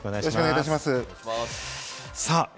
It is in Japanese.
よろしくお願いします。